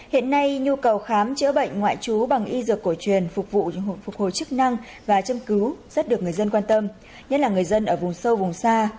hiện nay nhu cầu khám chữa bệnh ngoại trú bằng y dược cổ truyền phục vụ phục hồi chức năng và châm cứu rất được người dân quan tâm nhất là người dân ở vùng sâu vùng xa